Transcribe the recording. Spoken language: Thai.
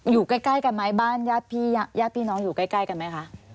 อยู่ใกล้กันไหมบ้านญาติพี่น้องอยู่ใกล้กันไหมคะ